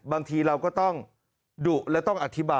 บางทีเราก็ต้องดุและต้องอธิบาย